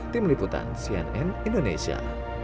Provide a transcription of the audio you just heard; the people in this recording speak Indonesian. tim liputan cnn indonesia